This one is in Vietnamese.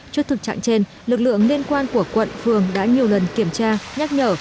trước thực trạng trên lực lượng liên quan của quận phường đã nhiều lần kiểm tra nhắc nhở